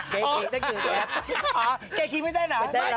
เกรกวีนอยู่แตป